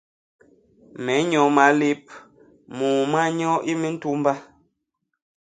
Me nnyo malép, môô ma nnyo i mintumba.